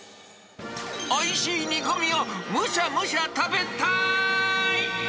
おいしい煮込みを、むしゃむしゃ食べたーい！